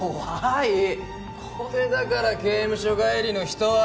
これだから刑務所帰りの人は。